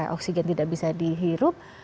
oksigen tidak bisa dihirup